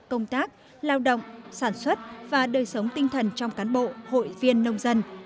công tác lao động sản xuất và đời sống tinh thần trong cán bộ hội viên nông dân